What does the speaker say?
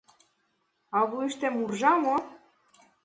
А вуйыштем уржа мо?